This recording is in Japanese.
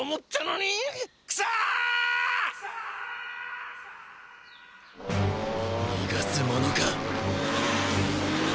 にがすものか。